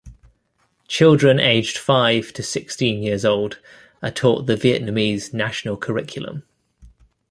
Children aged five to sixteen years old are taught the Vietnamese national curriculum.